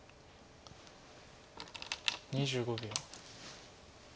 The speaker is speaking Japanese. ２５秒。